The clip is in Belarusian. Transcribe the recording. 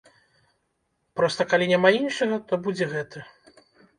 Проста, калі няма іншага, то будзе гэты.